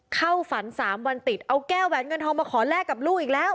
เข้าฝัน๓วันติดเอาแก้วแหวนเงินทองมาขอแลกกับลูกอีกแล้ว